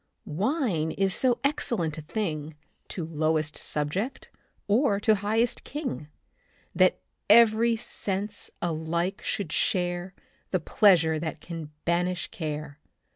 Wine is so excellent a thing To lowest subject, or to highest king, That every sense alike should share The pleasure that can banish care.